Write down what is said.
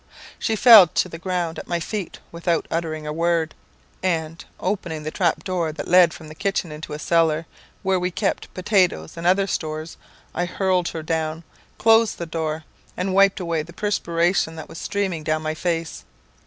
She fell to the ground at my feet without uttering a word; and, opening the trap door that led from the kitchen into a cellar where we kept potatoes and other stores, I hurled her down, closed the door, and wiped away the perspiration that was streaming down my face.